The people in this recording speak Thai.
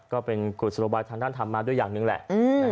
ก็เป็นกุศโลบายท่านทำมาด้วยอย่างนึงแหละ